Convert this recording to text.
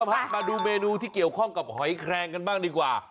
ฮะมาดูเมนูที่เกี่ยวข้องกับหอยแคลงกันบ้างดีกว่า